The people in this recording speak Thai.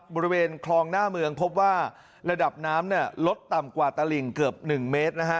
บริเวณคลองหน้าเมืองพบว่าระดับน้ำลดต่ำกว่าตลิงเกือบ๑เมตรนะฮะ